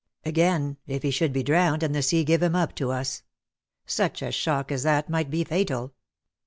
Again, if he should be drowned, and the sea give him rip to us —! Such a shock as that might be fatal."